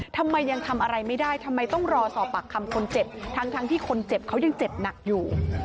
ทำไมยังทำอะไรไม่ได้ทำไมต้องรอสอบปากคำคนเจ็บทั้งที่คนเจ็บเขายังเจ็บหนักอยู่